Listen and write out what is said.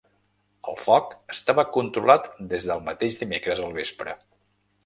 El foc estava controlat des del mateix dimecres al vespre.